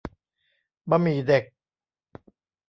บะหมี่เด็ก